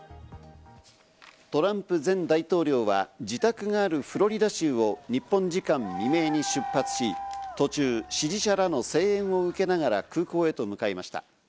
トランプ前大統領は自宅があるフロリダ州を日本時間未明に出発し、途中、支持者らの声援を受けながら空港へと向かいました。